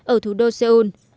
ở thủ đô seoul